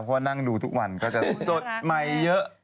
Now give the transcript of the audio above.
เพราะว่านั่งดูทุกวันก็จะจดใหม่เยอะ